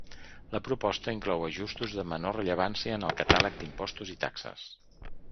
La proposta inclou ajustos de menor rellevància en el catàleg d’impostos i taxes.